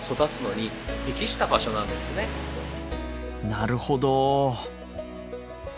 なるほど。